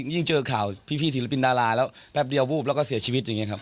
ยิ่งเจอข่าวพี่ศิลปินดาราแล้วแป๊บเดียววูบแล้วก็เสียชีวิตอย่างนี้ครับ